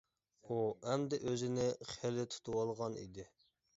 ئۇ ئەمدى ئۆزىنى خېلى تۇتۇۋالغان ئىدى.